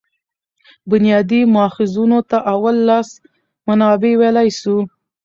بنیادي ماخذونو ته اول لاس منابع ویلای سو.